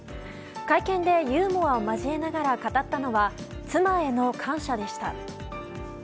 会見でユーモアを交えながら語ったのは妻への感謝でした。